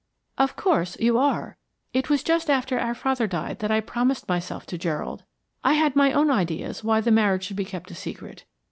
"Of course, you are. It was just after our father died that I promised myself to Gerald. I had my own ideas why the marriage should be kept a secret.